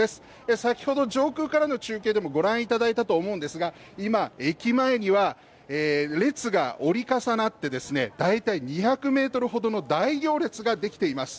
先ほど上空から中継でもご覧いただいたと思うんですが駅前には列が折り重なってですね、だいたい２００ｍほどの大行列ができています